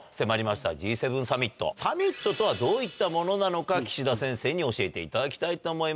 サミットとはどういったものなのか岸田先生に教えていただきたいと思います。